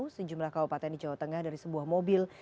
sejumlah kabupaten di jawa tengah dari sebuah mobil